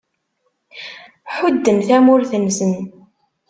Ḥudden tamurt-nnsen